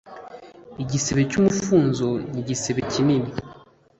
Igisebe cyumufunzo nigisebe kinini